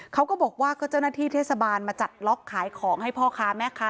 เขาก็บอกว่าก็เจ้าหน้าที่เทศบาลมาจัดล็อกขายของให้พ่อค้าแม่ค้า